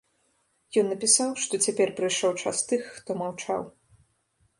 Ён напісаў, што цяпер прыйшоў час тых, хто маўчаў.